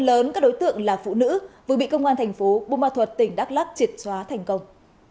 lớn các đối tượng là phụ nữ vừa bị công an thành phố bumma thuật tỉnh đắk lắk triệt xóa thành công